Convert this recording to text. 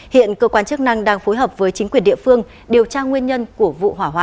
hiện cơ quan chức năng đang phối hợp với chính quyền địa phương điều tra nguyên nhân của vụ hỏa hoạn